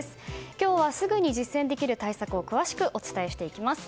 今日は、すぐに実践できる対策を詳しくお伝えしていきます。